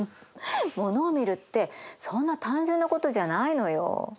ものを見るってそんな単純なことじゃないのよ。